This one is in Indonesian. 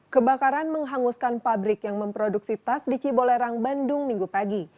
kebakaran menghanguskan pabrik yang memproduksi tas di cibolerang bandung minggu pagi